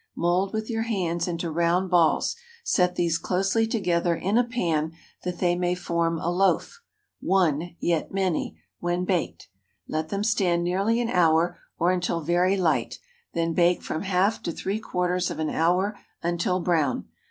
Mould with your hands into round balls, set these closely together in a pan, that they may form a loaf—"one, yet many"—when baked. Let them stand nearly an hour, or until very light; then bake from half to three quarters of an hour until brown.